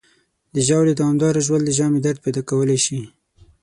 د ژاولې دوامداره ژوول د ژامې درد پیدا کولی شي.